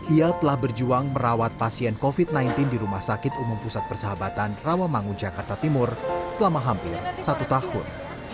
ia telah berjuang merawat pasien covid sembilan belas di rumah sakit umum pusat persahabatan rawamangun jakarta timur selama hampir satu tahun